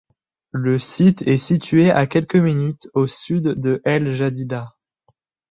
Le site est situé à quelques minutes au sud de El-Jadida.